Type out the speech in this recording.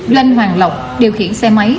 lương hoàng lộc điều khiển xe máy